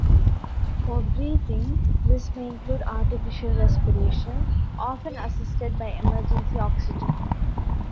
For breathing, this may include artificial respiration, often assisted by emergency oxygen.